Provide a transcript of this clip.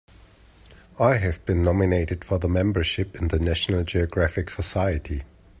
I've been nominated for membership in the National Geographic Society.